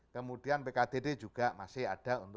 kemudian pkdd juga masih ada untuk